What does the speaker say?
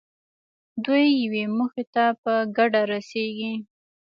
دوی یوې موخې ته په ګډه رسېږي.